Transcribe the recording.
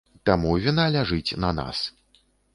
Таму віна ляжыць на нас.